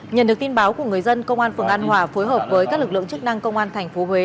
nhận được tin báo của người dân công an phường an hòa phối hợp với các lực lượng chức năng công an tp huế